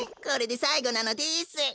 これでさいごなのです。